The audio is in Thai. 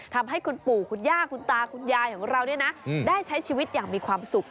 ทำให้คุณปู่คุณย่าคุณตาคุณยายของเราได้ใช้ชีวิตอย่างมีความสุข